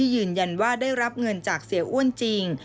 ยืนยันว่าได้รับเงินจากเสียอ้วนจริง